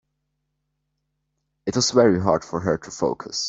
It was very hard for her to focus.